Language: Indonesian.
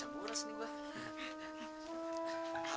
tangan disekalian be